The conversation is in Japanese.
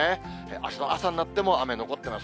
あすの朝になっても、雨残ってます。